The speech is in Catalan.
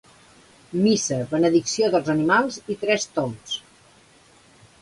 Missa, benedicció dels animals i tres tombs.